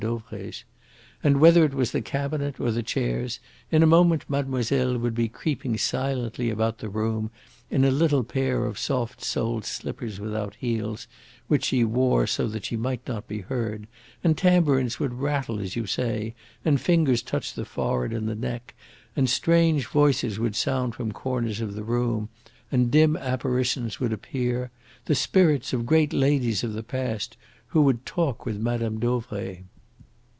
Dauvray's. And whether it was the cabinet or the chairs, in a moment mademoiselle would be creeping silently about the room in a little pair of soft soled slippers without heels, which she wore so that she might not be heard, and tambourines would rattle as you say, and fingers touch the forehead and the neck, and strange voices would sound from corners of the room, and dim apparitions would appear the spirits of great ladies of the past, who would talk with Mme. Dauvray.